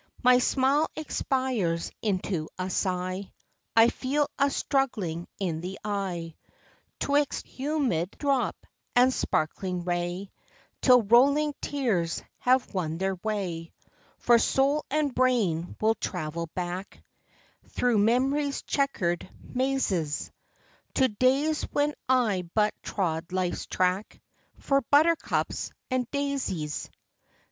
My smile expires into a sigh, I feel a.struggling in the eye, ŌĆÖTwixt humid drop and sparkling ray, Till rolling tears have won their way ; For soul and brain will travel back Through MemoryŌĆÖs chequered mazes, To days when I but trod LifeŌĆÖs track For ŌĆ£ Buttercups and Daisies.